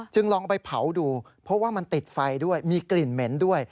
ลองไปเผาดูเพราะว่ามันติดไฟด้วยมีกลิ่นเหม็นด้วย